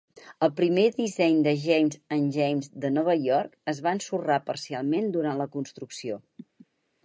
El primer disseny de James and James de Nova York es va ensorrar parcialment durant la construcció.